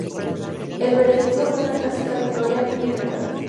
El veredicto fue una clásica victoria pírrica.